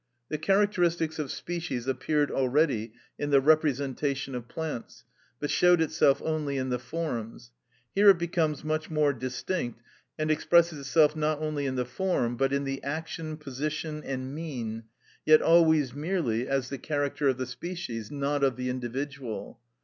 The characteristics of species appeared already in the representation of plants, but showed itself only in the forms; here it becomes much more distinct, and expresses itself not only in the form, but in the action, position, and mien, yet always merely as the character of the species, not of the individual.